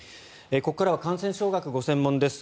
ここからは感染症学がご専門です